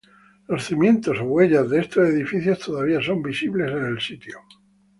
Los cimientos o huellas de estos edificios todavía son visibles en el sitio.